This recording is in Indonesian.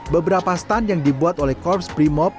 beberapa stun yang dibuat oleh korps brimob